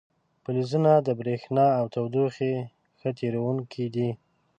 فلزونه د برېښنا او تودوخې ښه تیروونکي دي.